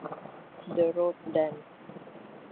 The road then.